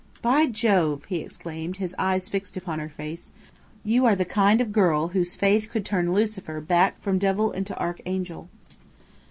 "By Jove!" he exclaimed, his eyes fixed upon her face. "You are the kind of girl whose faith could turn Lucifer back from devil into archangel.